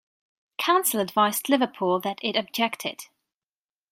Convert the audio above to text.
Council advised Liverpool that it objected.